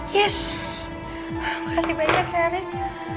yes makasih banyak ya rick